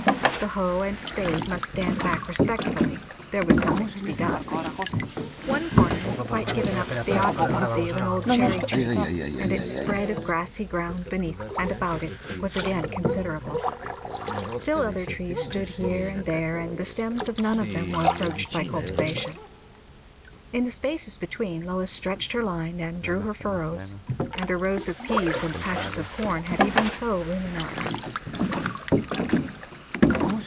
The hoe and the spade must stand back respectfully; there was nothing to be done. One corner was quite given up to the occupancy of an old cherry tree, and its spread of grassy ground beneath and about it was again considerable. Still other trees stood here and there; and the stems of none of them were approached by cultivation. In the spaces between, Lois stretched her line and drew her furrows, and her rows of peas and patches of corn had even so room enough.